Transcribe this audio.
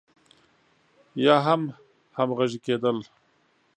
يا هم همغږي کېدل.